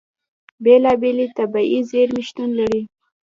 بېلابېلې طبیعي زیرمې شتون لري.